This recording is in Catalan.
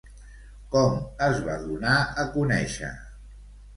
Com es va donar a conèixer?